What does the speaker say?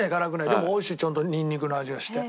でもおいしいちゃんとニンニクの味がして。